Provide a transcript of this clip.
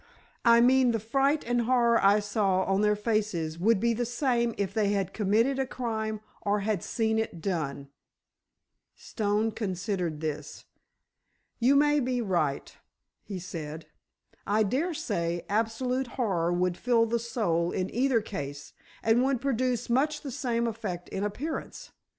I mean the fright and horror I saw on their faces would be the same if they had committed a crime or had seen it done." Stone considered this. "You may be right," he said; "I daresay absolute horror would fill the soul in either case, and would produce much the same effect in appearance.